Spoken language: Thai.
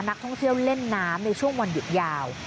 นักท่องเที่ยวเล่นน้ำในช่วงวันหยุดยาว